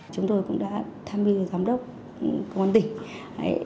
chúng tôi cũng đã tham mưu giám đốc công an tỉnh